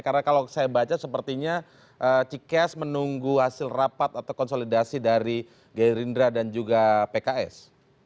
karena kalau saya baca sepertinya cikeas menunggu hasil rapat atau konsolidasi dari gerindra dan juga pks